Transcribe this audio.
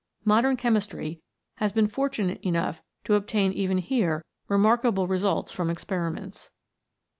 Modern chemistry has been fortunate enough to obtain even here remarkable results from experiments.